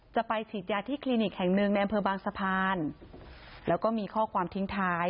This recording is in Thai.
จะไปฉีดยาที่คลินิกแห่งหนึ่งในอำเภอบางสะพานแล้วก็มีข้อความทิ้งท้าย